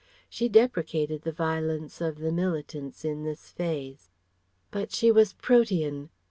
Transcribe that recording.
She deprecated the violence of the militants in this phase. But she was Protean.